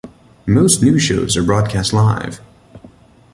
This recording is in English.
Most news shows are broadcast live.